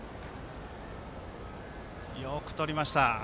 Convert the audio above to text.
よくとりました。